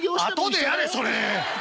後でやれそれ！